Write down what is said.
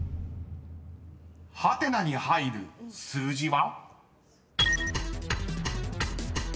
［ハテナに入る数字は？］